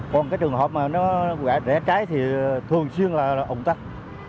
còn cái trường hợp mà nó rẽ trái thì thường xuyên là ổn tắt